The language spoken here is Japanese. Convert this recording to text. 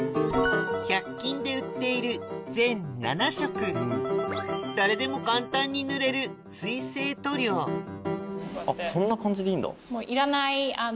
１００均で売っている全７色誰でも簡単に塗れる水性塗料そんな感じでいいんだ。